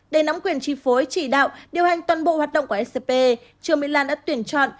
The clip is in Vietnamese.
để nắm quyền chi phối chỉ đạo điều hành toàn bộ hoạt động của ecp trương mỹ lan đã tuyển chọn